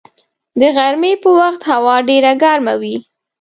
د غرمې په وخت هوا ډېره ګرمه وي